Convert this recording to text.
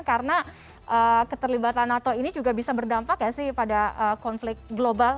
karena keterlibatan nato ini juga bisa berdampak ya sih pada konflik global